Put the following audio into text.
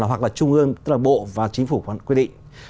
hoặc là trung ương tức là bộ và chính phủ còn quy định